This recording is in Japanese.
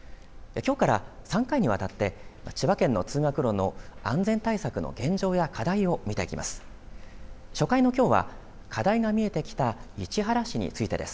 きょうから３回にわたって千葉県の通学路の安全対策の現状や課題を見ていきます。